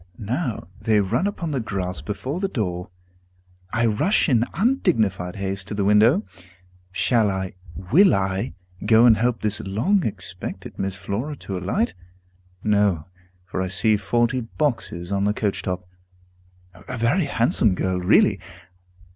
Now they run upon the grass before the door. I rush in undignified haste to the window. Shall I will I go and help this long expected Miss Flora to alight? No, for I see forty boxes on the coach top. A very handsome girl, really!